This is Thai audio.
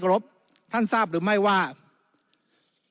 วุฒิสภาจะเขียนไว้ในข้อที่๓๐